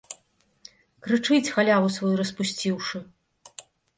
Крычыць, халяву сваю распусціўшы!